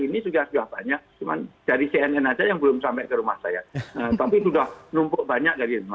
ini sudah banyak cuman dari cnn aja yang belum sampai ke rumah saya tapi sudah numpuk banyak dari